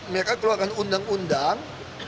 mereka keluarkan undang undang